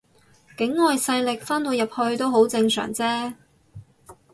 境外勢力翻到入去都好正常啫